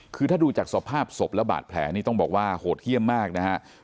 คือถ้าดูจากสภาพศพและบาดแผลนี่ต้องบอกว่าโหดเยี่ยมมากนะครับ